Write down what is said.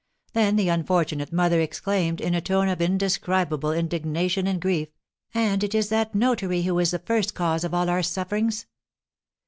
Then the unfortunate mother exclaimed, in a tone of indescribable indignation and grief, "And it is that notary who is the first cause of all our sufferings."